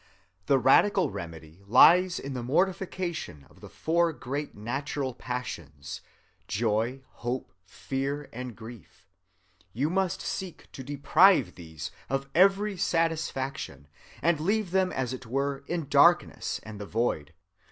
"The radical remedy lies in the mortification of the four great natural passions, joy, hope, fear, and grief. You must seek to deprive these of every satisfaction and leave them as it were in darkness and the void.